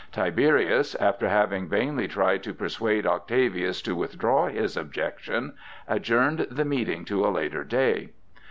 Tiberius, after having vainly tried to persuade Octavius to withdraw his objection, adjourned the meeting to a later day.